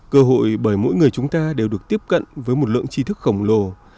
cơ hội bởi mỗi người chúng ta đều được tiếp cận với một lượng chi thức khổng lồ